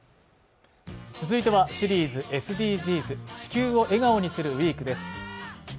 続いてはシリーズ「ＳＤＧｓ」「地球を笑顔にするＷＥＥＫ」です